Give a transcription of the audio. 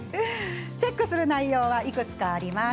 チェックする内容はいくつかあります。